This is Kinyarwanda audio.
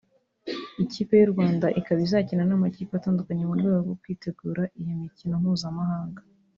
Ikipe y’u Rwanda ikaba izakina n’amakipe atandukanye mu rwego rwo kwitegura iyo mikino mpuzamahanga